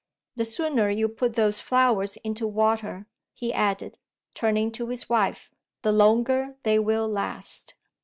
"The sooner you put those flowers into water," he added, turning to his wife, "the longer they will last."